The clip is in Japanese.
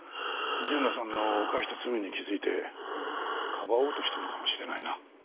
純奈さんの犯した罪に気づいてかばおうとしたのかもしれないな。